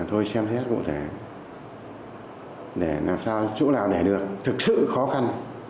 tôi xem xét cụ thể để làm sao chỗ nào để được thực sự khó khăn